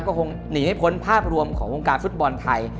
ก็คงหนีไม่พ้นภาพรวมของวงการฟุตบอลไทย